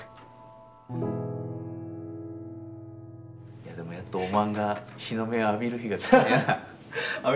いやでもやっとおまんが日の目を浴びる日が来たんや。